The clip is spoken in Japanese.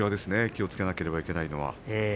気をつけなければいけないのは。